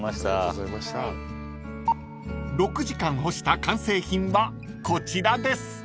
［６時間干した完成品はこちらです］